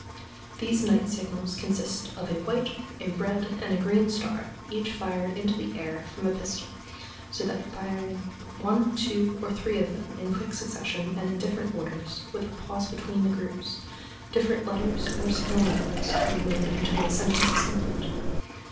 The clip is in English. These night signals "consist of a white, a red, and a green star, each fired into the air from a pistol, so that by firing one, two, or three of them in quick succession and in different orders, with a pause between the groups, different letters or signal numbers can be made until a sentence is complete."